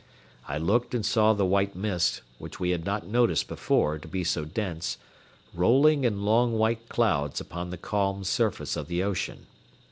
I looked and saw the white mist, which we had not noticed before to be so dense, rolling in long white clouds upon the calm surface of the ocean.